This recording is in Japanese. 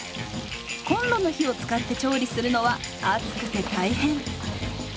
コンロの火を使って調理するのは暑くて大変。